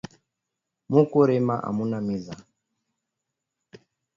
Muku rima amuna miza